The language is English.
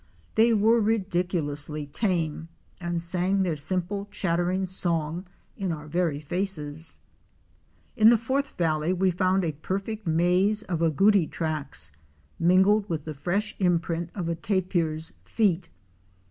They were ridiculously tame and sang their simple chattering song in our very faces. In the fourth valley we found a perfect maze of agouti tracks mingled with the fresh imprint of a tapir's feet.